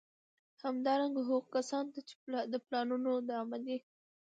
همدارنګه، هغو کسانو ته چي د پلانونو د عملي